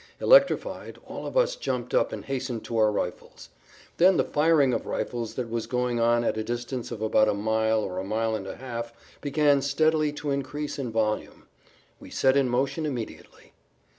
Electrified, all of us jumped up and hastened to our rifles. Then the firing of rifles that was going on at a distance of about a mile or a mile and a half began steadily to increase in volume. We set in motion immediately.